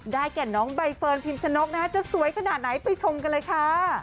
แก่น้องใบเฟิร์นพิมชนกนะฮะจะสวยขนาดไหนไปชมกันเลยค่ะ